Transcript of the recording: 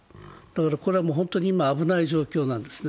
これは本当に今、危ない状況なんですね。